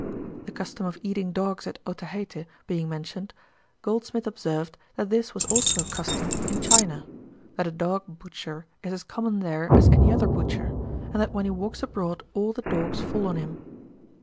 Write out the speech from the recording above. The custom of eating dogs at Otaheite being mentioned, Goldsmith observed, that this was also a custom in China; that a dog butcher is as common there as any other butcher; and that when he walks abroad all the dogs fall on him.